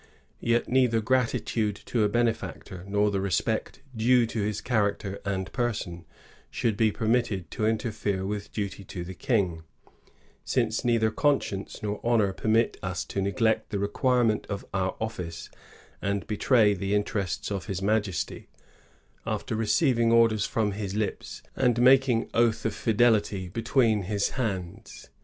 Yet neither gratitude to a benefactor nor the respect due to his character and person should be permitted to interfere with duty to the King, ^^ since neither conscience nor honor permit us to neglect the requirements of our office and betray the interests of his Majesty, after receiving orders from his lips, and making oath of fidelity between his hands."